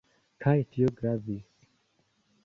Kaj tio gravis.